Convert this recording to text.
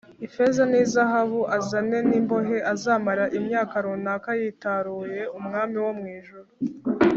ifeza ni zahabu azane n imbohe azamara imyaka runaka yitaruye umwami wo mu ijuru